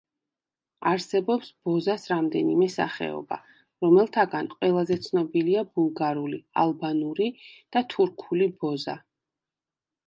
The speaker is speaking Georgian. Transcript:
არსებობს ბოზას რამდენიმე სახეობა, რომელთაგან ყველაზე ცნობილია ბულგარული, ალბანური და თურქული ბოზა.